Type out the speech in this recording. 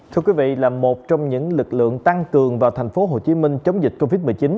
thưa quý vị là một trong những lực lượng tăng cường vào thành phố hồ chí minh chống dịch covid một mươi chín